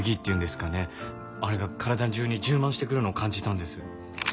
あれが体中に充満してくるのを感じたんです。